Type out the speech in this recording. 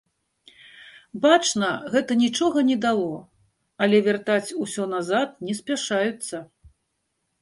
Бачна, гэта нічога не дало, але вяртаць усё назад не спяшаюцца.